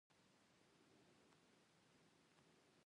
د خوب له لاسه مې سترګې پټې پټې کېدې، اوه ویشتم فصل.